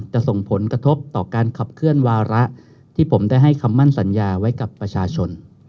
ส่งผลกระทบต่อการขับเคลื่อนวาระที่ผมได้ให้คำมั่นสัญญาไว้กับประชาชน